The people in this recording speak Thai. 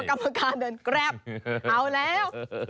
กรรมการเดินแกรปเอาแล้ว